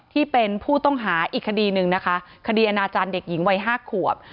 ที่เป็นผู้ต้องหาอีกคดีหนึ่งนะคะคดีอนาจารย์เด็กหญิงวัย๕ขวบ